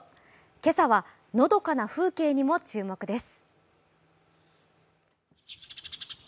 今朝は、のどかな風景にも注目です。